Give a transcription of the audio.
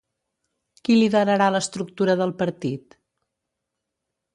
Qui liderarà l'estructura del partit?